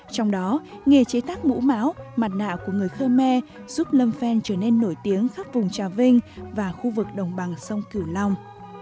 trong đó nghề chế tác mũ máu mặt nạ của người khơ me giúp lâm phen trở nên nổi tiếng khắp vùng trà vinh và khu vực đồng bằng sông cửu long